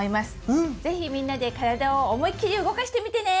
是非みんなで体を思いっきり動かしてみてね！